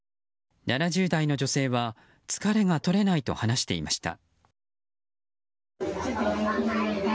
７０代の女性は疲れが取れないと話していました。